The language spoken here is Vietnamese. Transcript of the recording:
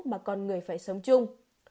mà con người phải sống chung